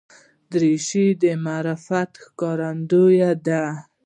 دریشي د معرفت ښکارندوی ده.